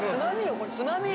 これつまみ。